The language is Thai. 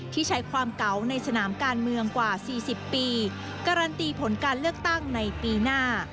ใช้ความเก๋าในสนามการเมืองกว่า๔๐ปีการันตีผลการเลือกตั้งในปีหน้า